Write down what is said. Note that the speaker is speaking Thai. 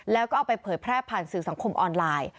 แล้วก็เอาไปเผยแพร่ผ่านสื่อสังคมออนไลน์